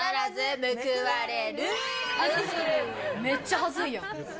めっちゃはずいやん。